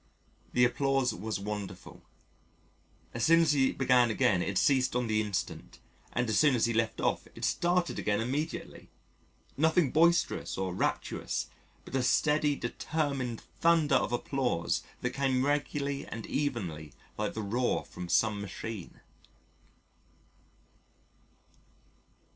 The applause was wonderful. As soon as he began again it ceased on the instant, and as soon as he left off it started again immediately nothing boisterous or rapturous but a steady, determined thunder of applause that came regularly and evenly like the roar from some machine.